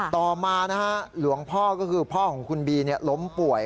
ต่อมานะฮะหลวงพ่อก็คือพ่อของคุณบีล้มป่วย